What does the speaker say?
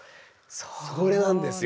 そうなんですよ。